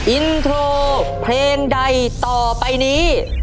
อินโทรเพลงใดต่อไปนี้